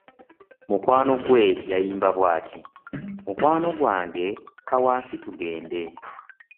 Mukwano gwe yayimba bwati, mukwano gwange, kka wansi tugende.